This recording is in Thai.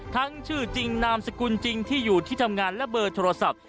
ทั้งชื่อจริงนามสกุลจริงที่อยู่ที่ทำงานและเบอร์โทรศัพท์